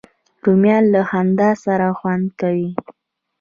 رومیان له خندا سره خوند کوي